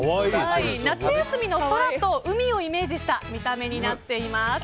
夏休みの空と海をイメージした見た目になっています。